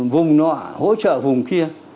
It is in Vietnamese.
vùng nọa hỗ trợ vùng kia